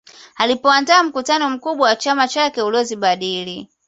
Alipoandaa mkutano mkubwa wa chama chake uliozibadili